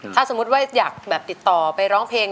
ถ้าสมมุติว่าอยากแบบติดต่อไปร้องเพลง